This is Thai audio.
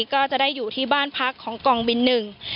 ก็จะได้อยู่ที่บ้านพักของกองบินหนึ่ง